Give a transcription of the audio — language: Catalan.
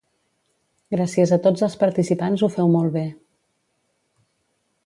Gràcies a tots els participants ho feu molt bé